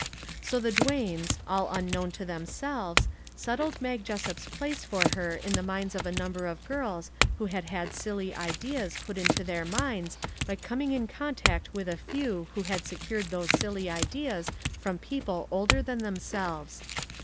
So the Duanes, all unknown to themselves, settled Mag Jessup's place for her in the minds of a number of girls who had had silly ideas put into their minds by coming in contact with a few who had secured those silly ideas from people older than themselves.